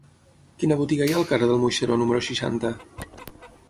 Quina botiga hi ha al carrer del Moixeró número seixanta?